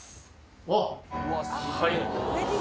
あっ！